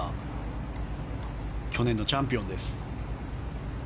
去年のチャンピオンです。